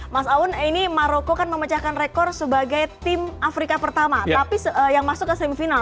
mas aun ini maroko kan memecahkan rekor sebagai tim afrika pertama tapi yang masuk ke semifinal